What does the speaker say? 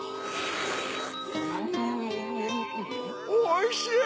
おいしい！